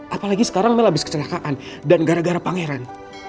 apalagi sekarang mel abis kecelakaan dan gara gara pangeran